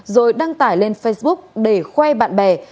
rồi đăng tải lên facebook để khoe bạn bè